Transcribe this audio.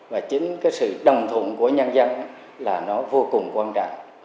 và chính cái sự đồng thuận của nhân dân là nó vô cùng quan trọng